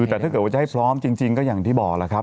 แต่ถ้าเกิดว่าจะให้พร้อมจริงก็อย่างที่บอกแล้วครับ